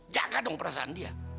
jaga dong perasaan dia